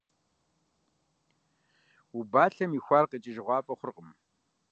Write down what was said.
Убалъэм ихуар къикӀыжыгъуафӀэ хъуркъым.